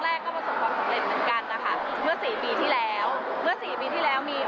เมื่อสี่ปีที่แล้วเมื่อสี่ปีที่แล้วมี